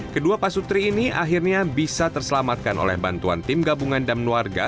kedua pasutri ini akhirnya bisa terselamatkan oleh bantuan tim gabungan dan nuarga